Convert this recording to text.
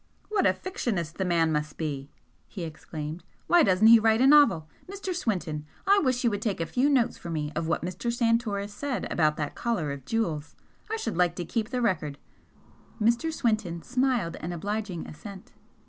"What a fictionist the man must be!" he exclaimed. "Why doesn't he write a novel? Mr. Swinton, I wish you would take a few notes for me of what Mr. Santoris said about that collar of jewels, I should like to keep the record." Mr. Swinton smiled an obliging assent.